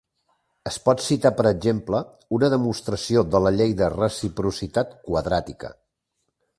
Es pot citar per exemple una demostració de la llei de reciprocitat quadràtica.